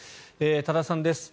多田さんです。